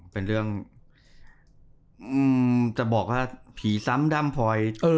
เป็นเรื่องจะบอกว่าผีซ้ำดำพลอย